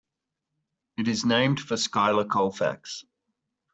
It is named for Schuyler Colfax.